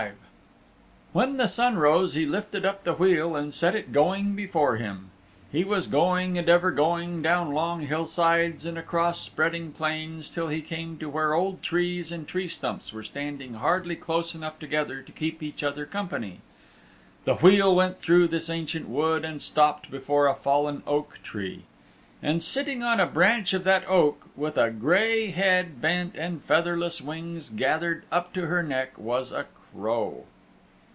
V When the sun rose he lifted up the wheel and set it going before him. He was going and ever going down long hillsides and across spreading plains till he came to where old trees and tree stumps were standing hardly close enough together to keep each other company. The wheel went through this ancient wood and stopped before a fallen oak tree. And sitting on a branch of that oak, with a gray head bent and featherless wings gathered up to her neck was a crow.